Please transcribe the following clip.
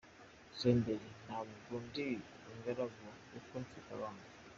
Senderi: Ntabwo ndi ingaragu kuko mfite abana.